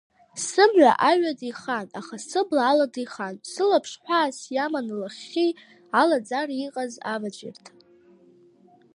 Сымҩа аҩада ихан, аха сыбла алада ихан, сылаԥш ҳәаас иаман лахьхьи алаӡара иҟаз аваҵәирҭа.